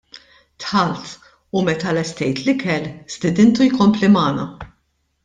Dħalt u, meta lestejt l-ikel, stidintu jkompli magħna.